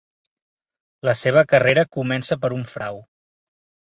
La seva carrera comença per un frau.